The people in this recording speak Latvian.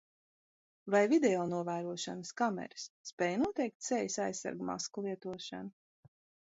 Vai videonovērošanas kameras spēj noteikt sejas aizsargmasku lietošanu?